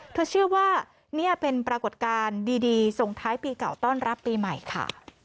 เธอเชื่อว่านี่เป็นปรากฏการณ์ดีส่งท้ายปีเก่าต้อนรับปีใหม่ค่ะ